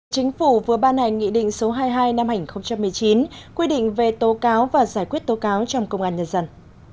chính phủ vừa ban hành nghị định số hai mươi hai năm hai nghìn một mươi chín quy định về tố cáo và giải quyết tố cáo trong công an nhân dân